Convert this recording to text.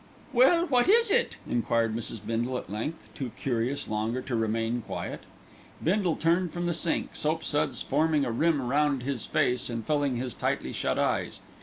"Well, what is it?" enquired Mrs. Bindle at length, too curious longer to remain quiet. Bindle turned from the sink, soap suds forming a rim round his face and filling his tightly shut eyes.